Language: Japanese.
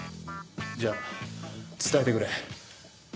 じゃあ伝えてくれ。